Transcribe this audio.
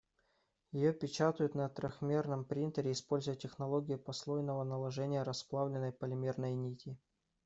Её печатают на трёхмерном принтере, используя технологию послойного наложения расплавленной полимерной нити.